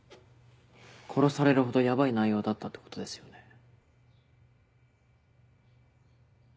殺されるほどやばい内容だったってことですよね。